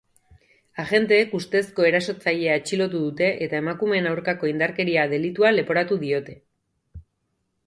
Agenteek ustezko erasotzailea atxilotu dute eta emakumeen aurkako indarkeria delitua leporatu diote.